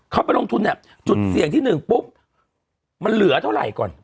เขาไปลงทุนเนี่ยจุดเสี่ยงที่๑ปุ๊บมันเหลือเท่าไหร่ก่อน